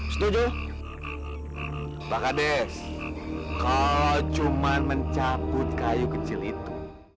setuju pak kadeh kau cuman mencabut kayu kecil itu